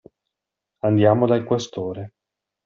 Andiamo dal Questore.